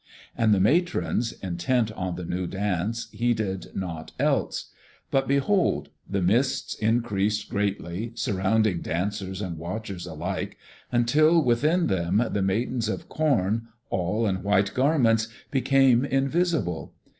And the matrons, intent on the new dance, heeded naught else. But behold! The mists increased greatly, surrounding dancers and watchers alike, until within them, the Maidens of Corn, all in white garments, became invisible.